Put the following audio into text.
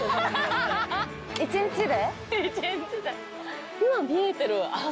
１日で。